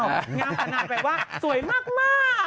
งามคณาแปลว่าสวยมาก